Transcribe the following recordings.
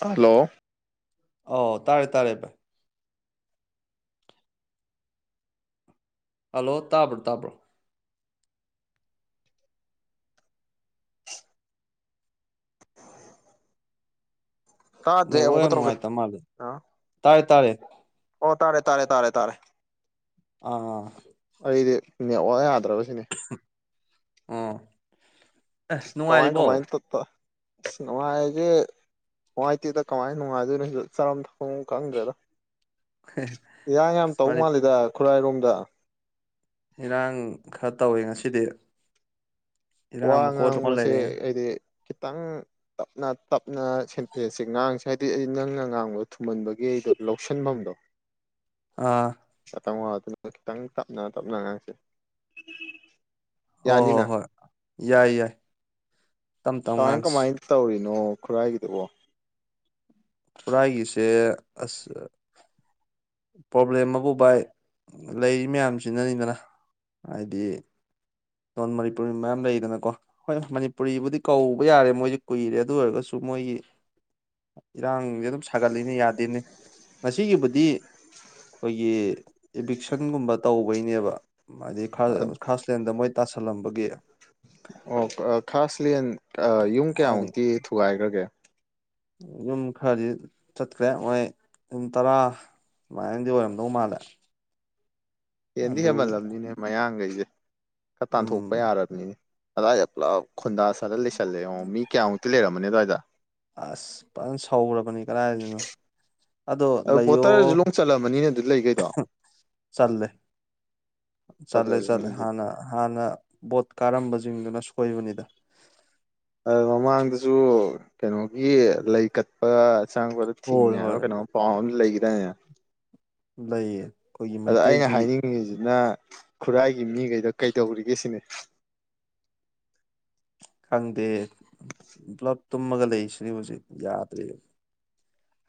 hello ꯑꯣ ꯇꯥꯔꯦ ꯇꯥꯔꯦ [unintelligible] [unintelligible] ꯇꯥꯗ꯭ꯔꯦ ꯅꯦꯠꯋꯥꯛ ꯑꯃꯨꯛꯀ ꯌꯥꯝ ꯇꯧꯔꯛꯀꯦ ꯅꯨꯡꯉꯥꯏꯇ ꯃꯥꯜꯂꯦ ꯑ ꯇꯥꯔꯦ ꯇꯥꯔꯦ ꯑꯣ ꯇꯥꯔꯦ ꯇꯥꯔꯦ ꯇꯥꯔꯦ ꯇꯥꯔꯦ ꯑꯥ ꯂꯩꯗꯤ ꯅꯦꯠꯋꯥꯛ ꯌꯥ ꯗ꯭ꯔꯥꯕꯁꯤꯅꯦ ꯑꯣ ꯑ ꯀꯃꯥꯏ ꯅꯨꯡꯉꯥꯏꯔꯤꯕꯣ ꯀꯃꯥꯏꯅ ꯇꯠꯄ ꯑꯁ ꯅꯨꯡꯉꯥꯏꯒꯦ ꯅꯨꯡꯉꯥꯏꯇꯦꯗ ꯀꯃꯥꯏꯅ ꯅꯨꯡꯉꯥꯏꯗꯣꯏꯅꯣ ꯁꯤ ꯆꯥꯐꯝ ꯊꯛꯐꯝ ꯈꯪꯗ꯭ꯔꯦꯗ ꯏꯔꯥꯡ ꯌꯥꯝ ꯇꯧ ꯃꯅꯤ ꯃꯥꯜꯂꯤꯗ ꯈꯨꯔꯥꯏꯔꯣꯝꯗ [inaudible] ꯏꯔꯥꯡ ꯈꯔ ꯇꯧꯏ ꯉꯁꯤꯗꯤ ꯏꯔꯥꯡ ꯋꯥ ꯃꯀꯣꯟ ꯑꯃ ꯉꯥꯡꯕꯁꯦ ꯂꯩꯔꯦ ꯑꯩꯗꯤ ꯈꯤꯇꯪ ꯇꯞꯅ ꯇꯞꯅ ꯁꯦꯟꯇꯦꯟꯁꯁꯦ ꯉꯥꯡꯁꯦ ꯍꯥꯏꯕꯗꯤ ꯑꯩ ꯅꯪꯅ ꯉꯥꯡꯕꯗꯣ ꯊꯨꯝꯃꯟꯕꯒꯤ ꯑꯩꯗꯣ ꯂꯧꯁꯤꯟꯐꯝꯗꯣ ꯑꯥ ꯈꯤꯇꯪ ꯋꯥꯗꯨꯅ ꯈꯤꯇꯪ ꯇꯞꯅ ꯇꯞꯅ ꯉꯥꯡꯁꯦ ꯍꯣꯏ ꯍꯣꯏ ꯌꯥꯅꯤꯅ ꯍꯣꯏ ꯌꯥꯏ ꯌꯥꯏ ꯇꯞ ꯇꯞ ꯀꯃꯥꯢ ꯉꯥꯡꯁꯤ ꯃꯥꯥꯏ ꯇꯧꯔꯤ ꯅꯣ ꯈꯨꯔꯥꯏꯒꯤꯗꯨꯕꯣ ꯈꯨꯔꯥꯏꯒꯤꯁꯦ ꯑꯁ ꯄ꯭ꯔꯣꯕ꯭ꯂꯦꯝ ꯑꯃꯕꯨ ꯚꯥꯏ ꯂꯩꯔꯤ ꯃꯌꯥꯝꯁꯤꯅꯅꯤꯗꯅ ꯍꯥꯏꯗꯤ ꯅꯣꯟ ꯃꯅꯤꯄꯨꯔꯤ ꯃꯌꯥꯝ ꯂꯩꯗꯅꯀꯣ ꯍꯣꯏ ꯃꯅꯤꯄꯨꯔꯤꯕꯨꯗꯤ ꯀꯧꯕ ꯌꯥꯔꯦ ꯃꯣꯏꯗꯤ ꯀꯨꯏꯔꯦ ꯑꯗꯨ ꯑꯣꯏꯔꯒꯁꯨ ꯃꯣꯏꯒꯤ ꯏꯔꯥꯡꯁꯦ ꯑꯗꯨꯝ ꯁꯥꯒꯠꯂꯤꯅꯦ ꯌꯥꯗꯦꯅꯤ ꯉꯁꯤꯒꯤꯕꯨꯗꯤ ꯑꯩꯈꯣꯏꯒꯤ ꯏꯚꯤꯛꯁꯟꯒꯨꯝꯕ ꯇꯧꯕꯩ ꯅꯦꯕ ꯃꯥꯗꯤ ꯈꯥ ꯈꯥꯁꯂꯦꯟꯗ ꯃꯣꯏ ꯇꯥꯁꯜꯂꯝꯕꯒꯤ ꯑꯣ ꯈꯥꯁꯂꯦꯟ ꯌꯨꯝ ꯍꯥꯏꯗꯤ ꯀꯌꯥꯃꯨꯛꯇꯤ ꯊꯨꯒꯥꯏꯈ꯭ꯔꯒꯦ ꯌꯨꯝ ꯈꯔꯗꯤ ꯆꯠꯈ꯭ꯔꯦ ꯃꯣꯏ ꯌꯨꯝ ꯇꯔꯥ ꯁꯨꯃꯥꯏꯅꯗꯤ ꯑꯣꯏꯔꯝꯗꯧ ꯃꯥꯜꯂꯦ ꯍꯦꯟꯗꯤ ꯑꯗꯨꯒꯤ ꯍꯦꯟꯃꯜꯂꯝꯅꯤꯅꯦ ꯃꯌꯥꯡꯒꯩꯖꯤ ꯦ [inaudible] [unintelligible] ꯈꯔ ꯎꯝ ꯇꯥꯟꯊꯣꯛꯄ ꯌꯥꯔꯕꯅꯤꯅꯦ ꯑꯗꯥꯏꯗ ꯄꯨꯂꯞ ꯈꯨꯟꯗꯁꯜ ꯁꯜꯂ ꯂꯩꯁꯜꯂꯦ ꯌꯦꯡꯑꯣ ꯃꯤ ꯀꯌꯥꯨꯛꯇꯤ ꯂꯩꯔꯝꯃꯅꯤ ꯑꯗꯋꯥꯏ [inaudible] ꯑꯁ ꯐꯖꯅ ꯁꯧꯔꯕꯅꯤ ꯀꯗꯥꯥꯏꯗꯅꯣ ꯑꯗꯣ ꯂꯩꯌꯣ ꯕꯣꯇꯔꯁꯨ ꯂꯣꯡ ꯆꯜꯂꯝꯃꯅꯤꯅꯦ ꯑꯗꯨ ꯂꯩꯈꯩꯗꯣ ꯆꯜꯂꯦ ꯆꯠꯂꯦ ꯐꯖꯔꯦꯅꯦ ꯆꯠꯂꯦ ꯑꯗꯨꯗꯤ ꯍꯥꯟꯅ ꯍꯥꯟꯅ ꯕꯣꯠ ꯀꯥꯔꯝꯕꯁꯤꯡꯗꯨꯅꯁꯨ ꯀꯣꯏꯕꯨꯅꯤꯗ ꯑ ꯃꯃꯥꯡꯗꯁꯨ ꯀꯩꯅꯣꯒꯤ ꯂꯩ ꯀꯠꯄ ꯁꯥꯡ ꯍꯣꯏ ꯍꯣꯏ ꯊꯤꯉꯩꯅ ꯄꯥꯎ ꯂꯩ ꯗꯥꯏꯅꯦ ꯂꯩꯌꯦ ꯑꯩꯈꯣꯏꯒꯤ ꯑꯗ ꯑꯩꯅ ꯃꯩꯇꯩꯒꯤ ꯍꯥꯏꯅꯤꯡꯉꯤꯁꯤꯅ ꯈꯨꯔꯥꯏꯒꯤ ꯃꯤꯈꯩꯗ ꯀꯩꯗꯧꯔꯤꯒꯦ ꯁꯤꯅꯦ ꯈꯪꯗꯦ ꯄꯨꯂꯞ ꯇꯨꯝꯃꯒ ꯂꯩꯁꯤꯅꯤ ꯍꯧꯖꯤꯛ ꯌꯥꯗ꯭ꯔꯦ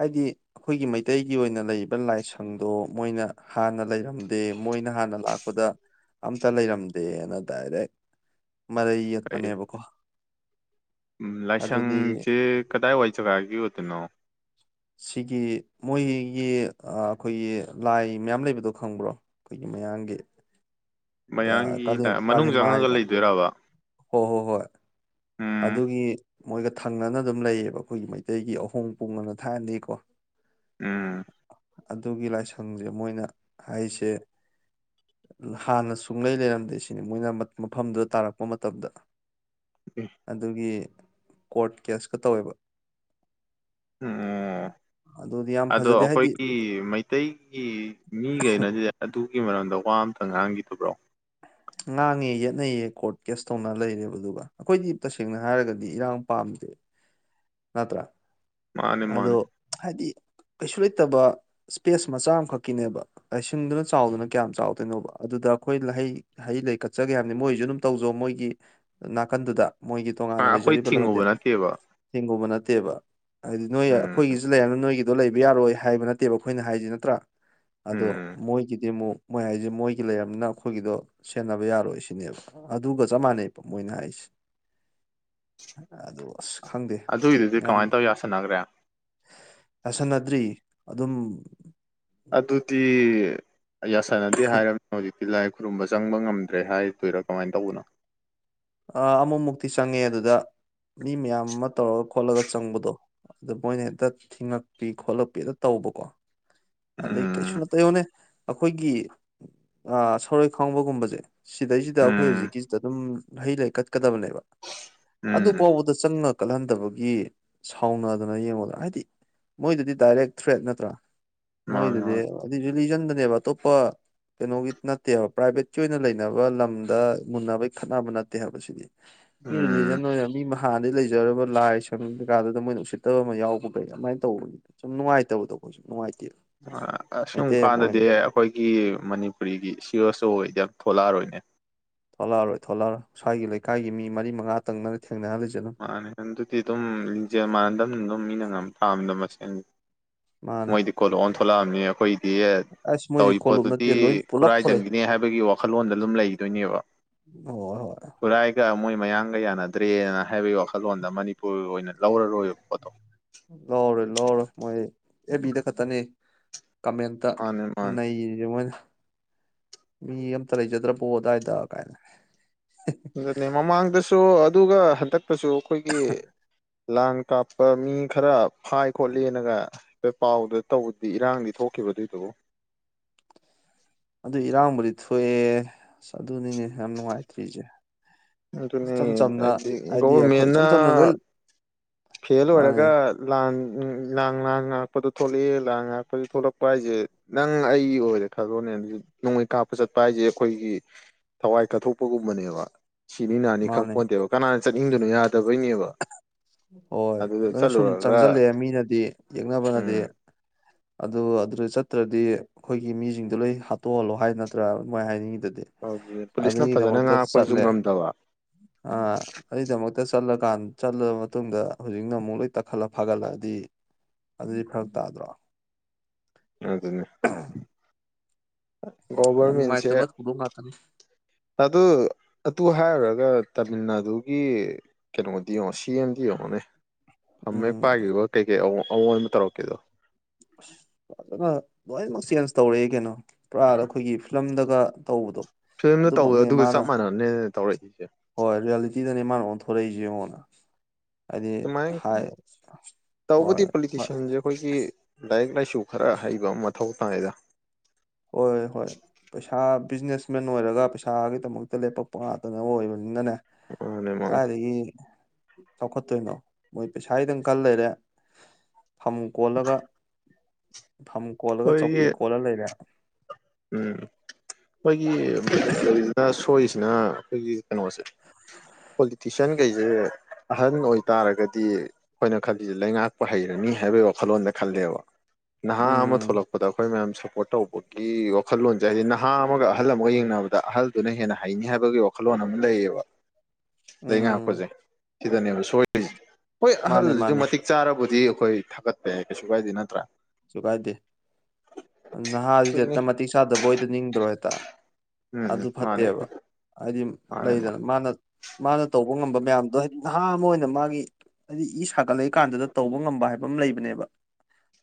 ꯍꯥꯏꯗꯤ ꯑꯩꯈꯣꯏꯒꯤ ꯃꯩꯇꯩꯒꯤ ꯑꯣꯏꯅ ꯂꯩꯔꯤꯕ ꯂꯥꯏꯁꯪꯗꯣ ꯃꯣꯏꯅ ꯍꯥꯟꯅ ꯂꯩꯔꯝꯗꯦ ꯃꯣꯏꯅ ꯍꯥꯟꯅ ꯂꯥꯛꯄꯗ ꯑꯝꯇ ꯂꯩꯔꯝꯗꯦꯅ ꯗꯥꯏꯔꯦꯛ ꯃꯔꯩ ꯀꯩ ꯌꯦꯠꯄꯅꯦꯕꯀꯣ ꯑꯗꯨꯗꯤ ꯂꯥꯏꯁꯪꯁꯦ ꯀꯗꯥꯏꯋꯥꯏ ꯖꯒꯥꯒꯤ ꯑꯣꯏꯗꯣꯏꯅꯣ ꯁꯤꯒꯤ ꯃꯣꯏꯒꯤ ꯑꯩꯈꯣꯏꯒꯤ ꯂꯥꯏ ꯃꯌꯥꯝ ꯂꯩꯕꯗꯣ ꯈꯪꯕ꯭ꯔꯣ ꯑꯩꯈꯣꯏꯒꯤ ꯃꯌꯥꯝꯒꯤ ꯃꯌꯥꯡꯒꯤ ꯂ ꯃꯅꯨꯡ ꯆꯪꯉꯒ ꯂꯩꯗꯣꯏꯔꯕꯥ ꯍꯣ ꯍꯣ ꯍꯣꯏ ꯑꯗꯨꯒꯤ ꯃꯣꯏꯒ ꯊꯪꯅꯅ ꯑꯗꯨꯝ ꯂꯩꯌꯦꯕ ꯑꯩꯈꯣꯏꯒꯤ ꯃꯩꯇꯩꯒꯤ ꯑꯍꯣꯡ ꯄꯨꯡꯉꯅ ꯊꯥꯏꯅꯗꯤꯀꯣ ꯎꯝ ꯑꯗꯨꯒꯤ ꯂꯥꯏꯁꯪꯁꯦ ꯃꯣꯏꯅ ꯍꯥꯏꯁꯦ ꯍꯥꯟꯅ ꯁꯨꯡꯂꯩ ꯂꯩꯔꯝꯗꯦ ꯁꯤꯅꯤ ꯃꯣꯏꯅ ꯃꯐꯝꯗꯨꯗ ꯇꯥꯔꯛꯄ ꯃꯇꯝꯗ ꯑꯦ ꯑꯗꯨꯒꯤ ꯀꯣꯔꯠ ꯀꯦꯁꯀ ꯇꯧꯋꯦꯕ ꯎꯝ ꯑꯗꯨꯗꯤ ꯌꯥꯝ ꯑꯗꯣ ꯐꯖꯗꯦ ꯍꯥꯏꯗꯤ ꯑꯩꯈꯣꯏꯒꯤ ꯃꯩꯇꯩꯒꯤ ꯃꯤꯈꯩꯅꯗꯤ ꯑꯗꯨꯒꯤ ꯃꯔꯝꯗ ꯋꯥ ꯋꯥ ꯑꯃꯝꯇꯪ ꯉꯥꯡꯈꯤꯗꯕ꯭ꯔꯣ ꯉꯥꯡꯉꯦ ꯌꯦꯠꯅꯩꯌꯦ ꯀꯣꯔꯠ ꯀꯦꯁ ꯇꯧꯅ ꯂꯩꯔꯦꯕ ꯑꯗꯨꯒ ꯑꯩꯈꯣꯏꯗꯤ ꯇꯁꯦꯡꯅ ꯍꯥꯏꯔꯒꯗꯤ ꯏꯔꯥꯡ ꯄꯥꯝꯗꯦ ꯅꯠꯇ꯭ꯔꯥ ꯃꯥꯅꯦ ꯑꯗꯣ ꯃꯥꯅꯦ ꯍꯥꯏꯗꯤ ꯀꯩꯁꯨ ꯂꯩꯇꯕ ꯏꯁꯄꯦꯁ ꯃꯆꯥ ꯑꯃꯈꯛꯀꯤꯅꯦꯕ ꯂꯥꯏꯁꯤꯡꯗꯨꯅ ꯆꯥꯎꯗꯅ ꯀꯌꯥꯝ ꯆꯥꯎꯗꯣꯏꯅꯣꯕ ꯑꯗꯨꯗ ꯑꯩꯈꯣꯏ ꯂꯍꯩ ꯍꯩ ꯂꯩ ꯀꯠꯆꯒꯦ ꯍꯥꯏꯕꯅꯤ ꯃꯣꯏꯁꯨ ꯑꯗꯨꯝ ꯇꯧꯖꯣ ꯃꯣꯏꯒꯤ ꯅꯥꯀꯟꯗꯨꯗ ꯃꯣꯏꯒꯤ ꯑ ꯇꯣꯉꯥꯟꯅ ꯑꯩꯈꯣꯏ ꯂꯩꯖꯔꯤꯕ ꯂꯝꯁꯦ ꯊꯤꯡꯉꯨꯕ ꯅꯠꯇꯦꯕ ꯍꯦꯡꯒꯨꯝꯕ ꯅꯠꯇꯦꯕ ꯍꯥꯏꯗꯤ ꯅꯣꯏ ꯎꯝ ꯑꯩꯈꯣꯏꯒꯤꯁꯨ ꯂꯩꯔꯅ ꯅꯣꯏꯒꯤ ꯑꯗꯣ ꯂꯩꯕ ꯌꯥꯔꯣꯏ ꯍꯥꯏꯕ ꯅꯠꯇꯦꯕ ꯑꯩꯈꯣꯏꯅ ꯍꯥꯏꯁꯤ ꯅꯠꯇ꯭ꯔꯥ ꯑꯗꯣ ꯎꯝ ꯃꯣꯏꯒꯤꯗꯤ ꯑꯃꯨꯛ ꯃꯣꯏ ꯍꯥꯏꯁꯦ ꯃꯣꯏꯒꯤ ꯂꯩꯔꯕꯝꯅꯤꯅ ꯑꯩꯈꯣꯏꯒꯤꯗꯣ ꯁꯦꯟꯅꯕ ꯌꯥꯔꯣꯏ ꯁꯤꯅꯦꯕ ꯑꯗꯨꯒ ꯆꯞ ꯃꯥꯟꯅꯩ ꯃꯣꯏꯅ ꯍꯥꯏꯁꯦ ꯑ ꯑꯁ ꯈꯪꯗꯦ ꯑꯗꯨꯒꯤꯗꯨꯗꯤ ꯀꯃꯥꯏꯅ ꯇꯧ ꯌꯥꯁꯟꯅꯈ꯭ꯔꯦ ꯌꯥꯁꯟꯅꯗ꯭ꯔꯤ ꯑꯗꯨꯝ ꯑꯗꯨꯗꯤ ꯌꯥꯁꯟꯅꯗꯤ ꯍꯥꯏꯔꯝꯃꯦꯅꯦ ꯍꯧꯖꯤꯛꯇ ꯂꯥꯏ ꯈꯨꯔꯨꯝꯕ ꯆꯪꯕ ꯉꯝꯗ꯭ꯔꯦ ꯍꯥꯏꯗꯣꯏꯔꯥ ꯀꯃꯥꯏꯅ ꯇꯧꯕꯅꯣ ꯑꯃꯃꯨꯛꯇꯤ ꯆꯪꯉꯦ ꯑꯗꯨꯗ ꯃꯤ ꯃꯌꯥꯝ ꯇꯧꯔꯒ ꯈꯣꯠꯂꯒ ꯆꯪꯕꯗꯣ ꯑꯗ ꯃꯣꯏꯅ ꯍꯦꯛꯇ ꯊꯤꯉꯛꯄꯤ ꯈꯣꯠꯂꯛꯄꯤ ꯍꯦꯛꯇ ꯇꯧꯕꯀꯣ ꯑꯗ ꯀꯩꯁꯨ ꯎꯝ ꯅꯠꯇꯦꯌꯣꯅꯦ ꯑꯩꯈꯣꯏꯒꯤ ꯁꯣꯔꯣꯏ ꯈꯥꯎꯕꯒꯨꯝꯕꯁꯦ ꯁꯤꯗꯩꯁꯤꯗ ꯑꯩꯈꯣꯏ ꯎꯝ ꯍꯧꯖꯤꯛꯀꯤꯁꯤꯗ ꯑꯗꯨꯝ ꯍꯩ ꯂꯩ ꯀꯠ ꯀꯗꯕꯅꯦꯕ ꯑꯗꯨ ꯎꯝ ꯐꯥꯎꯕꯗ ꯆꯪꯅ ꯀꯜꯍꯟꯗꯕꯒꯤ ꯁꯥꯎꯅꯗꯅ ꯌꯦꯡꯉꯨꯗ꯭ꯔꯥ ꯍꯥꯏꯗꯤ ꯃꯣꯏꯗꯗꯤ ꯗꯥꯏꯔꯦꯛ ꯊ꯭ꯔꯦꯠ ꯅꯠꯇ꯭ꯔꯥ ꯃꯥꯅꯦ ꯅꯣꯏꯗꯨꯗꯤ ꯃꯥꯅꯦ ꯔꯤꯂꯤꯖꯟꯗꯅꯦꯕ ꯑꯇꯣꯞꯄ ꯀꯩꯅꯣꯒꯤ ꯅꯠꯇꯦꯕ ꯄ꯭ꯔꯥꯏꯚꯦꯠꯀꯤ ꯑꯣꯏꯅ ꯂꯩꯅꯕ ꯂꯝꯗ ꯃꯨꯟꯅꯕꯒꯤ ꯈꯠꯅꯕꯦ ꯍꯥꯏꯕꯁꯤꯗꯤ ꯎꯝ ꯏꯔꯤꯂꯤꯖꯟ ꯅꯣꯏꯅ ꯃꯤ ꯍꯥꯟꯗꯤꯩ ꯂꯩꯖꯔꯕ ꯂꯥꯏ ꯁꯪ ꯀꯩꯀꯥꯟꯗꯨꯗ ꯃꯣꯏ ꯅꯨꯡꯁꯤꯠꯇꯕ ꯑꯃ ꯌꯥꯎꯕ ꯀꯩ ꯑꯗꯨꯃꯥꯏꯅ ꯇꯧꯕꯒꯤ ꯁꯨꯝ ꯅꯨꯡꯉꯥꯏꯇꯕꯗꯣ ꯑꯩꯣꯏꯨꯝ ꯅꯨꯡꯉꯥꯏꯇꯦ ꯑꯁꯨꯝ ꯀꯥꯟꯗꯗꯤ ꯑꯩꯈꯣꯏꯒꯤ ꯃꯅꯤꯄꯨꯔꯤꯒꯤ ꯁꯤꯑꯦꯁ ꯑꯣ ꯑꯣꯏꯗ ꯊꯣꯛꯂꯛꯑꯔꯣꯏꯅꯦ ꯊꯣꯂꯛꯑꯔꯣꯏ ꯊꯣꯂꯛꯑꯔꯣꯏ ꯁ꯭ꯋꯥꯒꯤ ꯂꯩꯀꯥꯏꯒꯤ ꯃꯤ ꯃꯔꯤ ꯃꯉꯥ ꯇꯪꯅ ꯃꯥꯅꯦ ꯑꯗꯨꯗꯤ ꯑꯗꯨꯝꯤꯡꯖꯦꯜ ꯃꯥꯟꯅꯗꯝ ꯑꯗꯨꯝ ꯃꯤꯅ ꯉ ꯊꯥꯝꯗ ꯃꯁꯦ [unintelligible] ꯃꯥꯅꯦ ꯃꯣꯏꯗꯤ ꯀꯣꯂꯛꯑꯣꯅ ꯊꯣꯛꯂꯛꯑꯕꯅꯤ ꯑꯩꯈꯣꯏꯗꯤ ꯑꯁ ꯃꯣꯏꯗꯤ ꯇꯧꯔꯤ ꯀꯣꯂꯨꯞ ꯄꯣꯠꯇꯨꯗꯤ ꯅꯠꯇꯦ ꯂꯣꯏ ꯄꯨꯂꯞ ꯊꯣꯛꯂꯛꯑꯦ ꯈꯨꯔꯥꯏꯪꯒꯤꯅꯦ ꯍꯥꯏꯕꯒꯤ ꯋꯥꯈꯜꯂꯣꯟꯗ ꯑꯗꯨꯝ ꯂꯩꯗꯣꯏꯅꯦꯕ ꯍꯣꯏ ꯍꯣꯏ ꯈꯨꯔꯥꯏꯒ ꯃꯣꯏ ꯃꯌꯥꯡꯒ ꯌꯥꯅꯗ꯭ꯔꯦꯅ ꯍꯥꯏꯕꯒꯤ ꯋꯥꯈꯜꯂꯣꯟꯗ ꯃꯅꯤꯄꯨꯔ ꯑꯣꯏꯅ ꯂꯧꯔꯔꯣꯏꯕ ꯄꯣꯠꯇꯣ ꯂꯧꯔꯔꯣꯏ ꯂꯧꯔꯔꯣꯏ ꯃꯣꯏ ꯑꯦꯐꯕꯤꯗ ꯈꯇꯔꯅꯦ ꯀꯃꯦꯟꯇ ꯃꯥꯅꯦ ꯃꯥꯅꯦ ꯅꯔꯤꯔꯤꯁꯦ ꯃꯣꯏꯅ ꯃꯤ ꯑꯝꯇ ꯂꯩꯖꯗ꯭ꯔꯕꯣ ꯑꯗꯥꯏꯗ ꯀꯥꯏꯅ ꯑꯗꯨꯅꯦ ꯃꯃꯥꯡꯗꯁꯨ ꯑꯗꯨꯒ ꯍꯟꯗꯛ ꯇꯁꯨ ꯑꯩꯈꯣꯏꯒꯤ ꯂꯥꯡ ꯀꯥꯞꯄ ꯃꯤ ꯈꯔ ꯐꯥꯏ ꯈꯣꯠꯂꯤꯅꯒ ꯄꯥꯎꯗ ꯇꯧꯕꯗꯤ ꯏꯔꯥꯡꯗꯤ ꯊꯣꯛꯈꯤꯕꯔꯣ ꯑꯗꯨꯏꯗꯨꯕꯨ ꯑꯗꯨ ꯏꯔꯥꯡꯕꯨꯗꯤ ꯊꯣꯛꯑꯦ ꯑꯗꯨꯅꯤꯅꯦ ꯌꯥꯝ ꯅꯨꯡꯉꯥꯏꯇ꯭ꯔꯤꯁꯦ ꯑꯗꯨꯅꯤ ꯏꯆꯝ ꯆꯝꯅ ꯍꯥꯏꯗꯤ ꯑꯩꯈꯣꯏ ꯒꯣꯚꯔꯃꯦꯟꯅ ꯏꯆꯝ ꯆꯝꯅ ꯂꯣꯏ ꯐꯦꯜ ꯃꯥꯅꯦ ꯑꯣꯏꯔꯒ ꯂꯥꯟ ꯎꯝ ꯂꯥꯡ ꯂꯥꯡ ꯉꯥꯛꯄꯗꯣ ꯊꯣꯛꯂꯛꯑꯦ ꯂꯥꯜ ꯉꯥꯏꯉꯛꯄꯗ ꯊꯣꯛꯂꯛꯄ ꯍꯥꯏꯁꯦ ꯅꯪ ꯑꯩ ꯑꯣꯏꯔꯦ ꯈꯜꯂꯣꯅꯦ ꯑꯗꯨ ꯅꯣꯡꯃꯩ ꯀꯥꯞꯄ ꯆꯠꯄ ꯍꯥꯏꯁꯦ ꯑꯩꯈꯣꯏꯒꯤ ꯊꯋꯥꯏ ꯀꯠꯊꯣꯛꯄꯒꯨꯝꯕꯅꯦꯕ ꯁꯤꯅꯤ ꯅꯥꯅꯤ ꯃꯥꯅꯦ ꯈꯪꯄꯣꯠꯇꯦꯕ ꯀꯅꯥ ꯆꯠꯅꯤꯡꯕꯗꯨꯅ ꯌꯥ ꯍꯣꯏ ꯑꯗꯨꯗ ꯅꯣꯏ ꯁꯨꯝ ꯆꯠꯂꯨꯔꯒ ꯆꯪꯁꯤꯜꯂꯑꯦ ꯃꯤꯅꯗꯤ ꯌꯦꯛꯅꯕꯅꯗꯤ ꯎꯝ ꯑꯗꯨ ꯑꯗꯨꯗ ꯆꯠꯇ꯭ꯔꯗꯤ ꯑꯩꯈꯣꯏꯒꯤ ꯃꯤꯁꯤꯡꯗꯣ ꯂꯣꯏ ꯍꯥꯠꯇꯣꯛꯍꯜꯂꯣ ꯍꯥꯏ ꯅꯠꯇ꯭ꯔꯥ ꯃꯣꯏ ꯍꯥꯏꯅꯤꯡꯉꯤꯗꯨꯗꯤ ꯄꯨꯂꯤꯁꯅ ꯐꯖꯅ ꯑꯗꯨꯒꯤꯗꯃꯛꯇ ꯉꯥꯛꯄꯁꯨ ꯆꯠꯂꯦ ꯉꯝꯗꯕ ꯑꯥ ꯑꯗꯨꯒꯤꯗꯃꯛꯇ ꯆꯠꯂꯀꯥꯟ ꯆꯠꯂꯕ ꯃꯇꯨꯡꯗ ꯍꯧꯖꯤꯛꯅ ꯑꯃꯨꯛ ꯂꯣꯏ ꯇꯛꯈꯠꯂ ꯐꯥꯒꯠꯂꯛꯑꯗꯤ ꯑꯗꯨꯗꯤ ꯐꯔꯛ ꯇꯥꯗ꯭ꯔꯣ ꯑꯗꯨꯟꯅ ꯌꯥꯝ ꯅꯨꯉꯥꯏꯇꯕ ꯊꯧꯗꯣꯛ ꯉꯥꯛꯇꯅꯤ ꯑꯗꯨ ꯑꯗꯨ ꯍꯥꯏꯔꯨꯔꯒ ꯇꯥꯃꯤꯜꯅꯗꯨꯒꯤ ꯀꯩꯅꯣꯗꯤ ꯌꯦꯡꯉꯣ ꯁꯤꯑꯦꯝꯗꯤ ꯌꯦꯡꯉꯣꯅꯦ ꯐꯝꯃꯦ ꯎꯝ ꯄꯥꯏꯈꯤꯕ ꯀꯩꯀꯩ ꯑꯥꯑꯣꯡ ꯑꯑꯣꯟꯕ ꯇꯧꯔꯛꯀꯦꯗꯣ ꯑꯁ ꯐꯖꯅ ꯂꯣꯏꯅꯃꯛ ꯆꯦꯟꯖ ꯇꯧꯔꯛꯦ ꯀꯩꯅꯣ ꯄꯨꯔꯥꯞ ꯑꯩꯈꯣꯏꯒꯤ ꯐꯤꯂꯝꯗꯒ ꯇꯧꯕꯗꯣ ꯐꯤꯂꯝꯅ ꯇꯧꯕꯣ ꯑꯗꯨꯃꯛꯅꯦ ꯑꯗꯨꯒ ꯆꯞ ꯃꯥꯅ ꯃꯥꯟꯅꯅꯕꯅꯦꯅ ꯇꯧꯔꯛꯏꯁꯦ ꯊꯣꯔꯛꯏꯁꯦ ꯌꯦꯡꯉꯣꯗꯅ ꯍꯥꯏꯗꯤ ꯑꯗꯨꯃꯥꯏꯅ ꯍꯥꯏ ꯇꯧꯕꯗꯤ ꯍꯣꯏ ꯄꯣꯂꯤꯇꯤꯁꯤꯌꯥꯟꯁꯦ ꯑꯩꯈꯣꯏꯒꯤ ꯂꯥꯏꯔꯤꯛ ꯂꯥꯏꯁꯨ ꯈꯔ ꯍꯩꯕ ꯑꯃ ꯃꯊꯧ ꯇꯥꯏꯗ ꯍꯣꯏ ꯍꯣꯏ ꯄꯩꯁꯥ ꯕꯤꯖꯤꯅꯦꯁꯃꯦꯟ ꯑꯣꯏꯔꯒ ꯄꯩꯁꯥꯒꯤꯗꯃꯛꯇ ꯂꯦꯞꯄꯛꯄ ꯉꯥꯛꯇꯅꯦ ꯑꯣꯏꯕꯅꯤꯅꯅꯦ ꯃꯥꯅꯦ ꯃꯥꯅꯦ ꯀꯥꯏꯗꯒꯤ ꯆꯥꯎꯈꯠꯇꯣꯏꯅꯣ ꯃꯣꯏ ꯄꯩꯁꯥꯒꯤꯗꯪ ꯀꯜ ꯂꯩꯔꯦ ꯐꯝ ꯀꯣꯜꯂꯒ ꯐꯝ ꯀꯣꯜꯂꯒ ꯑꯩꯈꯣꯏꯒꯤ ꯆꯧꯀꯤ꯭ꯔꯤ ꯀꯣꯜꯂ ꯂꯩꯔꯦ ꯎꯝ ꯍꯣꯏ [unintelligible] ꯁꯣꯏꯔꯤꯁꯤꯅ ꯑꯩꯈꯣꯏꯒꯤ ꯀꯩꯅꯣꯁꯦ ꯄꯣꯂꯤꯇꯤꯁꯤꯌꯥꯟꯈꯩꯁꯦ ꯑꯍꯟ ꯑꯣꯏꯇꯥꯔꯒꯗꯤ ꯑꯩꯈꯣꯏꯅ ꯈꯜꯂꯤꯁꯦ ꯂꯩꯉꯥꯛꯄꯨ ꯍꯩꯔꯅꯤ ꯍꯥꯏꯕꯒꯤ ꯋꯥꯈꯜꯂꯣꯟꯗ ꯈꯜꯂꯦꯕ ꯅꯍꯥ ꯑꯃ ꯎꯝ ꯊꯣꯛꯂꯛꯄꯗ ꯑꯩꯈꯣꯏ ꯃꯌꯥꯝ ꯁꯨꯞꯄꯣꯔꯠ꯭ ꯇꯧꯕꯒꯤ ꯑꯩꯒꯤ ꯋꯥꯈꯜꯂꯣꯟꯁꯦ ꯍꯥꯏꯗꯤ ꯅꯍꯥ ꯑꯃꯒ ꯑꯍꯜ ꯑꯃꯒ ꯌꯦꯡꯅꯕꯗ ꯑꯍꯜꯗꯨꯅ ꯍꯦꯟꯅ ꯍꯩꯅꯤ ꯍꯥꯏꯕꯒꯤ ꯋꯥꯈꯜꯂꯣꯟ ꯑꯃ ꯂꯩꯌꯦꯕ ꯂꯩ ꯎꯝ ꯉꯥꯛꯄꯁꯦ ꯁꯤꯗꯅꯦꯕ ꯁꯣꯏꯔꯤꯁꯦ ꯍꯣꯏ ꯃꯥꯅꯦ ꯑꯍꯜꯗꯨꯁꯨ ꯃꯥꯅꯦ ꯃꯇꯤꯛ ꯆꯥꯔꯕꯗꯤ ꯑꯩꯈꯣꯏ ꯊꯥꯒꯠꯄꯦ ꯀꯩꯁꯨ ꯀꯥꯏꯗꯦ ꯅꯠꯇ꯭ꯔꯥ ꯂꯩꯁꯨ ꯀꯥꯏꯗꯦ ꯅꯍꯥꯁꯤꯗ ꯑꯗꯨꯅꯤ ꯍꯦꯛꯇ ꯃꯇꯤꯛ ꯆꯥꯗꯕ ꯍꯗ ꯅꯤꯡꯗ꯭ꯔꯣ ꯍꯦꯛꯇ ꯎꯝ ꯑꯗꯨ ꯃꯥꯅꯦ ꯐꯠꯇꯦꯕ ꯍꯥꯏꯗꯤ ꯃꯥꯅꯦ ꯃꯥꯅꯦ ꯂꯩꯗꯅ ꯃꯥꯅ ꯃꯥꯅ ꯇꯧꯕ ꯉꯝꯕ ꯃꯌꯥꯝꯗꯣ ꯍꯥꯏꯗꯤ ꯅꯍꯥ ꯑꯃ ꯑꯣꯏꯅ ꯃꯥꯒꯤ ꯍꯥꯏꯗꯤ ꯏ ꯁꯥꯒꯠꯂꯛꯏ ꯀꯥꯟꯗꯨꯗ ꯇꯧꯕ ꯉꯝꯕ ꯍꯥꯏꯕ ꯑꯃ ꯂꯩꯕꯅꯦꯕ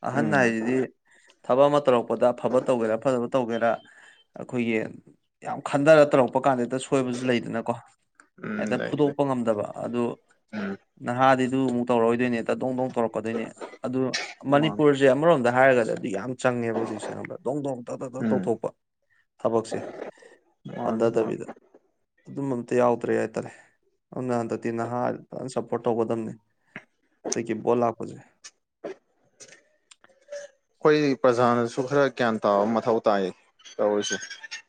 ꯑꯍꯟ ꯎꯝ ꯍꯥꯏꯗꯤ ꯊꯕꯛ ꯑꯃ ꯇꯔꯛ ꯄꯣꯠ ꯑꯐꯕ ꯇꯧꯒꯦꯔꯥ ꯐꯠꯇꯕ ꯇꯧꯒꯦꯔꯥ ꯑꯩꯈꯣꯏꯒꯤ ꯌꯥꯝ ꯈꯟꯊꯔ ꯇꯧꯔꯛꯄ ꯀꯥꯟꯗꯗꯤ ꯍꯦꯛꯇ ꯁꯣꯏꯕꯁꯨ ꯂꯩꯗꯅꯀꯣ ꯎꯝ ꯍꯦꯛꯇ ꯂꯩ ꯂꯩ ꯐꯨꯗꯣꯛꯄ ꯉꯝꯗꯕ ꯑꯗꯨ ꯎꯝ ꯅꯍꯥꯗꯤ ꯑꯗꯨ ꯑꯃꯨꯛ ꯇꯧꯔꯑꯣꯗꯤ ꯅꯦ ꯇꯗꯣꯡ ꯇꯧꯔꯛꯀꯗꯣꯏꯅꯦ ꯑꯗꯨ ꯃꯥꯅꯤ ꯑꯃꯔꯣꯝꯗ ꯍꯥꯏꯔꯒꯗꯤ ꯑꯗꯨꯗꯤ ꯌꯥꯝ ꯆꯪꯉꯦꯕ ꯍꯧꯖꯤꯛꯁꯦ ꯑꯃ ꯗꯣꯡ ꯗꯣꯡ ꯇꯠ ꯇ ꯇ ꯎꯝ ꯇꯧꯊꯣꯛꯄ ꯊꯕꯛꯁꯦ ꯃꯥꯅꯤ ꯃꯥꯅꯤ ꯄꯟꯊꯗꯕꯤꯗ ꯑꯗꯨꯝ ꯑꯝ ꯌꯥꯎꯗ꯭ꯔꯦ ꯍꯥꯏꯇꯥꯔꯦ ꯑꯗꯨꯅ ꯍꯟꯗꯛꯇꯤ ꯅꯍꯥ ꯁꯞꯄꯣꯔꯠ ꯇꯧꯒꯗꯕꯅꯦ ꯇꯒꯤ ꯄꯣꯂꯛꯄꯖꯦ ꯑꯩꯈꯣꯏ ꯄ꯭ꯔꯖꯥꯅꯁꯨ ꯈꯔ ꯒ꯭ꯌꯥꯟ ꯇꯥꯕ ꯃꯊꯧ ꯇꯥꯏꯌꯦ ꯇꯧꯔꯤꯁꯦ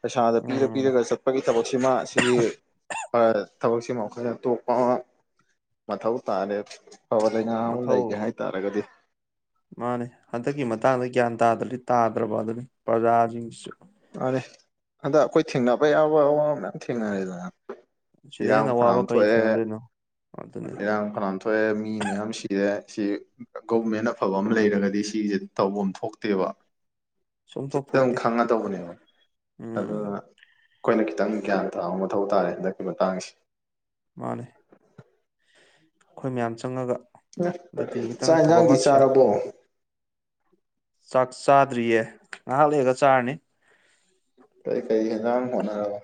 ꯄꯩꯁꯥꯗ ꯄꯤꯔ ꯎꯝ ꯄꯤꯔꯒ ꯆꯠꯄꯒꯤ ꯊꯕꯛꯁꯤꯃ ꯁꯤꯒꯤ ꯊꯕꯛꯁꯤꯃ ꯑꯩꯈꯣꯏꯅ ꯇꯣꯛꯄ ꯑꯃ ꯃꯊꯧ ꯇꯥꯔꯦ ꯐꯕ ꯂꯩ ꯉꯍꯥ ꯑꯃꯨ ꯂꯩꯒꯦ ꯍꯥꯏꯇꯥꯔꯒꯗꯤ ꯃꯥꯅꯦ ꯍꯟꯗꯛꯀꯤ ꯃꯇꯥꯡꯗ ꯒ꯭ꯌꯥꯟ ꯇꯥꯗ꯭ꯔꯗꯤ ꯇꯥꯗ꯭ꯔꯕ ꯑꯗꯨꯅꯤ ꯄ꯭ꯔꯖꯥꯁꯤꯡꯁꯤꯁꯨ ꯌꯥꯔꯦ ꯍꯟꯗꯛ ꯑꯩꯈꯣꯏ ꯊꯦꯡꯅꯕ ꯌꯥꯕ ꯑꯋꯥꯕ ꯃꯌꯥꯝ ꯊꯦꯡꯅꯔꯦꯗ ꯁꯤꯗ ꯏꯔꯥꯡ ꯍꯦꯟꯅ ꯐꯅꯥ ꯑꯋꯥꯕ ꯀꯔꯤ ꯊꯣꯛꯑꯦ ꯊꯦꯡꯅꯗꯣꯏꯅꯣ ꯑꯗꯨꯅꯤ ꯏꯔꯥꯡ ꯐꯅꯥꯌꯥꯝ ꯊꯣꯛꯑꯦ ꯃꯤ ꯃꯌꯥꯝ ꯁꯤꯔꯦ ꯁꯤ ꯒꯣꯚꯃꯦꯟ ꯑꯐꯕ ꯑꯃ ꯂꯩꯔꯒꯗꯤ ꯁꯤꯁꯦ ꯇꯧꯕ ꯑꯃ ꯊꯣꯛꯇꯦꯕ ꯁꯨꯝꯊꯣꯛ ꯊꯣꯛꯇꯦ ꯊꯧꯕꯅꯦ ꯎꯝ ꯑꯗꯨꯅ ꯑꯩꯈꯣꯏꯅ ꯈꯤꯇꯪ ꯒ꯭ꯌꯥꯟ ꯇꯥꯕ ꯃꯊꯧ ꯇꯥꯔꯦ ꯍꯟꯗꯛꯀꯤ ꯃꯇꯥꯡꯁꯤ ꯃꯥꯅꯦ ꯑꯩꯈꯣꯏ ꯃꯌꯥꯝ ꯆꯪꯉꯒ ꯍꯟꯗꯛꯇꯤ ꯈꯤꯇꯪ ꯆꯥꯛ ꯑꯐꯕ ꯌꯦꯟꯁꯥꯡꯗꯤ ꯑꯃ ꯁꯦꯝ ꯆꯥꯔꯕꯣ ꯆꯥꯛ ꯆꯥꯗ꯭ꯔꯤꯌꯦ ꯉꯥꯏꯍꯥꯛ ꯂꯩꯒ ꯆꯥꯔꯅꯤ ꯀꯩꯀꯩ ꯍꯦꯟꯖꯥꯡ ꯍꯣꯠꯅꯔꯕ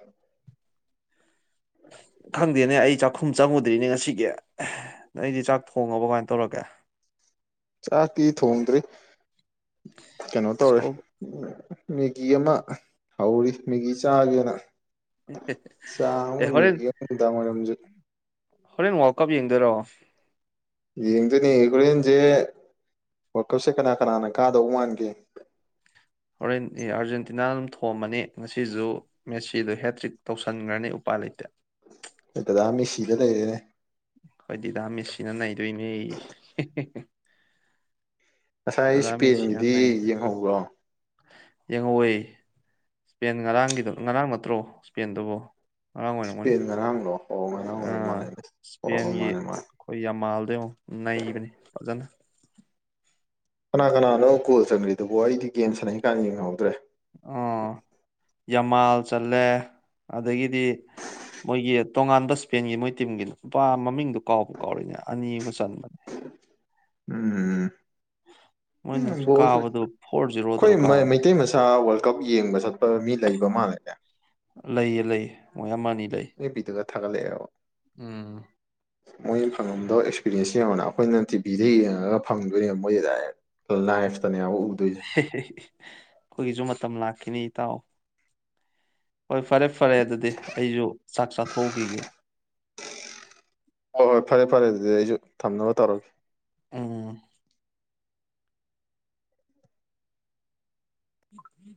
ꯈꯪꯗꯦꯅꯦ ꯑꯩ ꯆꯥꯛꯈꯨꯝ ꯆꯪꯉꯨꯗ꯭ꯔꯤꯅꯦ ꯉꯁꯤꯒꯤ ꯑꯩꯗꯤ ꯆꯥꯛ ꯊꯣꯡꯉꯕ ꯀꯃꯥꯏꯅ ꯇꯧꯔꯒꯦ ꯆꯥꯛꯊꯤ ꯊꯣꯡꯗ꯭ꯔꯤ ꯀꯩꯅꯣ ꯇꯧꯔꯦ ꯁ꯭ꯀꯨꯜ ꯃꯦꯒꯤ ꯑꯃ ꯍꯧꯔꯤ ꯃꯦꯒꯤ ꯆꯥꯒꯦꯅ ꯆꯥ ꯑꯃ ꯑꯦ ꯍꯣꯔꯦꯟ ꯃꯤꯒꯤ ꯑꯃꯨꯗꯥ ꯑꯣꯏꯔꯝꯖꯩ ꯍꯣꯔꯦꯟ ꯋꯥ ꯀꯞ ꯌꯦꯡꯗꯣꯏꯔꯣ ꯌꯦꯡꯗꯣꯏꯅꯦ ꯍꯒꯣꯔꯦꯟꯁꯦ ꯋꯥꯔ ꯀꯞꯁꯦ ꯀꯅꯥ ꯀꯅꯥꯅ ꯀꯥꯗꯧ ꯃꯥꯟꯒꯦ ꯍꯣꯔꯦꯟ ꯑꯥꯔꯖꯦꯟꯇꯤꯅꯥ ꯑꯗꯨꯝ ꯊꯣꯝꯃꯅꯤ ꯉꯁꯤꯁꯨ ꯃꯦꯠꯁꯤꯗꯣ ꯍꯦꯇ꯭ꯔꯤꯛ ꯇꯧꯁꯟꯈ꯭ꯔꯅꯤ ꯎꯄꯥꯏ ꯂꯩꯇꯦ ꯗꯗꯥ ꯃꯤꯁꯤꯗ ꯂꯏꯍꯦ ꯍꯣꯏꯗꯤꯗꯥ ꯃꯦꯁꯁꯤꯅ ꯅꯩꯗꯣꯏꯅꯦ ꯉꯁꯥꯏ ꯗꯗꯥ ꯏꯁꯄꯦꯟꯒꯤꯗꯤ ꯌꯦꯡꯍꯧꯕ꯭ꯔꯣ ꯌꯦꯡꯉꯧꯏ ꯏꯁꯄꯦꯟ ꯉꯔꯥꯡꯒꯤ ꯉꯔꯥꯡ ꯅꯠꯇ꯭ꯔꯣ ꯏꯁꯄꯦꯟꯗꯨꯕꯨ ꯏꯁꯄꯦꯟ ꯉꯔꯥꯡꯂꯣ ꯑꯣ ꯉꯔꯥꯡ ꯑꯣꯏꯔ ꯃꯥꯜꯂꯦꯅꯦ ꯍꯣꯏ ꯍꯣꯏ ꯏꯁꯄꯦꯟꯒꯤ ꯃꯥꯅꯦ ꯃꯥꯅꯦ ꯑꯩꯈꯣꯏ ꯌꯥꯝꯃꯥꯜ ꯅꯩꯕꯅꯦ ꯐꯖꯅ ꯀꯅꯥ ꯀꯅꯥꯅꯣ ꯀꯣꯜ ꯆꯪꯒ꯭ꯔꯤꯗꯨꯕꯨ ꯑꯩꯗꯤ ꯒꯦꯝ ꯁꯥꯟꯅꯩ ꯀꯥꯟꯅ ꯌꯦꯡꯍꯧꯗ꯭ꯔꯦ ꯑ ꯌꯥꯃꯥꯜ ꯆꯜꯂꯦ ꯑꯗꯒꯤꯗꯤ ꯃꯣꯏꯒꯤ ꯇꯣꯉꯥꯟꯕ ꯏꯁꯄꯦꯟꯒꯤ ꯃꯣꯏ ꯇꯤꯝꯒꯤꯅꯤ ꯅꯨꯨꯄꯥ ꯃꯃꯤꯡꯗꯣ ꯀꯥꯎꯕ ꯀꯥꯎꯔꯤꯅꯦ ꯑꯅꯤ ꯑꯃ ꯆꯟꯕꯅꯦ ꯎꯝ ꯎꯝ ꯃꯣꯏꯅꯁꯨ ꯕꯣꯜꯁꯨ ꯀꯥꯕꯗꯣ ꯐꯣꯔ ꯑꯩꯈꯣꯏ ꯖꯤꯔꯣꯗꯔꯣ ꯀꯥꯕꯗꯣ ꯃꯩꯇꯩ ꯃꯆꯥ ꯋꯥꯔꯜ ꯀꯞ ꯌꯦꯡꯕ ꯆꯠꯄ ꯃꯤ ꯂꯩꯕ ꯃꯥꯜꯂꯦꯅꯦ ꯂꯩꯌꯦ ꯂꯩꯌꯦ ꯃꯣꯏꯌꯥꯝ ꯃꯥꯟꯅꯤ ꯑꯦꯕ ꯕꯤꯗꯒ ꯊꯥꯒꯠꯂꯛꯑꯦꯕ ꯎꯝ ꯃꯣꯏ ꯐꯪꯉꯝꯗꯣ ꯑꯦꯛꯁꯄꯤꯔꯤꯌꯦꯟꯁ ꯀꯣꯅ ꯑꯩꯈꯣꯏꯅ ꯇꯤꯚꯤꯗ ꯌꯦꯡꯉꯒ ꯐꯪꯗꯣꯏꯅꯦꯕ ꯃꯣꯏꯁ ꯗꯥꯏꯔ ꯂꯥꯏꯐꯇꯅꯦ [unintelligible] ꯑꯩꯈꯣꯏꯒꯤꯁꯨ ꯃꯇꯝ ꯂꯥꯛꯈꯤꯅꯤ ꯏꯇꯥꯎ ꯍꯣꯏ ꯐꯔꯦ ꯐꯔꯦ ꯑꯗꯨꯗꯤ ꯑꯩꯁꯨ ꯆꯥꯛ ꯆꯥꯊꯣꯛꯎꯈꯤꯒꯦ ꯍꯣꯏ ꯍꯣꯏ ꯐꯔꯦ ꯐꯔꯦ ꯑꯗꯨꯗꯤ ꯑꯩꯁꯨ ꯊꯝꯅꯕ ꯇꯧꯔꯒꯦ ꯎꯝ ꯎꯝ ꯎꯝ